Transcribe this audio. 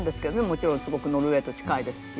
もちろんすごくノルウェーと近いですし。